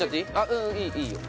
ううんいいいいよ